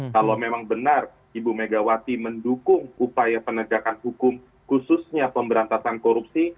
kalau memang benar ibu megawati mendukung upaya penegakan hukum khususnya pemberantasan korupsi